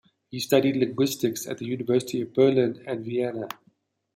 He studied linguistics at the universities of Berlin and Vienna.